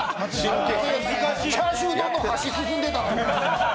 チャーシュー丼の箸進んでたのに。